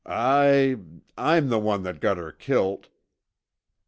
"I I'm the one that got her kilt."